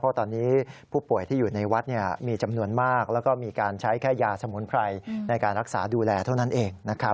เพราะตอนนี้ผู้ป่วยที่อยู่ในวัดมีจำนวนมากแล้วก็มีการใช้แค่ยาสมุนไพรในการรักษาดูแลเท่านั้นเองนะครับ